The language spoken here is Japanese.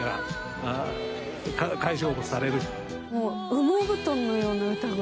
羽毛布団のような？